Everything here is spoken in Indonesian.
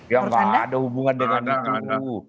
ya mana ada hubungan dengan itu